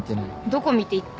どこ見て言った？